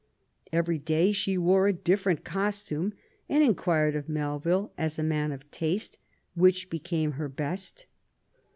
Every day she wore a different costume, and inquired of Melville, as a man of taste, which became her best.